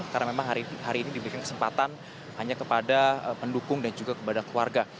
karena memang hari ini diberikan kesempatan hanya kepada pendukung dan juga kepada keluarga